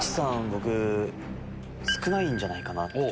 僕少ないんじゃないかなって。